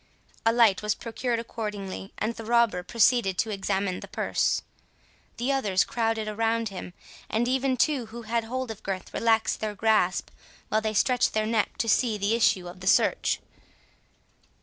A light was procured accordingly, and the robber proceeded to examine the purse. The others crowded around him, and even two who had hold of Gurth relaxed their grasp while they stretched their necks to see the issue of the search.